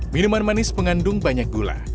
minuman manis mengandung banyak gula